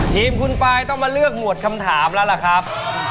ทีมคุณปลายต้องมาเลือกหมวดคำถามแล้วล่ะครับ